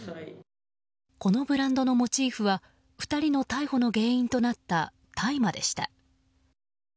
このブランドのモチーフは２人の逮捕の原因となった大麻でした。